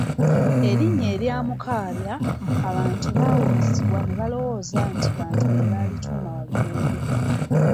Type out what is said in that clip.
Erinnya erya Mukaabya, abantu bawubisibwa ne balowooza nti bantu be baalituuma Walugembe.